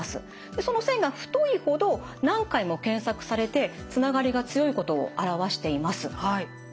その線が太いほど何回も検索されてつながりが強いことを表しています。